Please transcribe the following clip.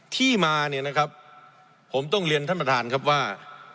ที่มาเนี่ยนะครับผมต้องเรียนท่านประธานครับว่า